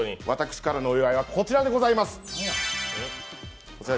私からのお祝いはこちらでございます。